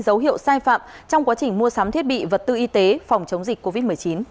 dấu hiệu sai phạm trong quá trình mua sắm thiết bị vật tư y tế phòng chống dịch covid một mươi chín